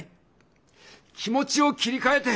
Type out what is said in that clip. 気持ちを切りかえて！